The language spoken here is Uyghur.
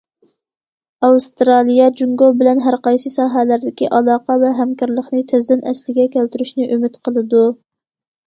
ئاۋسترالىيە جۇڭگو بىلەن ھەر قايسى ساھەلەردىكى ئالاقە ۋە ھەمكارلىقنى تېزدىن ئەسلىگە كەلتۈرۈشنى ئۈمىد قىلىدۇ.